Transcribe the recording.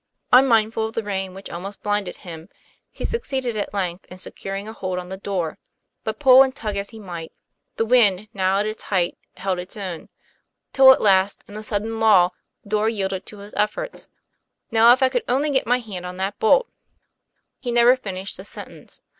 Unmindful of the rain which almost blinded him, lie succeeded at length in securing a hold on the door. But pull and tug as he might, the wind, now at its height, held its own; till at last, in a sudden lull, the door yielded to his efforts. ' Now, if I could only get my hand on that bolt" He never finished this sentence.